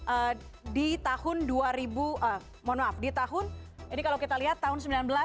eee di tahun dua ribu mohon maaf di tahun ini kalau kita lihat tahun seribu sembilan ratus sembilan puluh